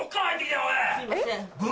すいません。